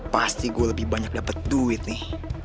pasti gue lebih banyak dapat duit nih